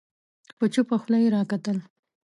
په چوپه خوله يې راکتل